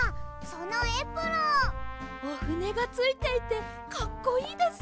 おふねがついていてかっこいいです。